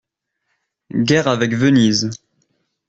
- Guerre avec Venise.